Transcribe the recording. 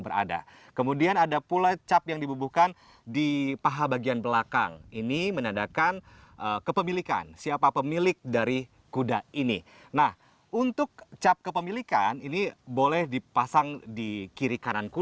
berarti kalau untuk membandingkan secara lebih sederhana saja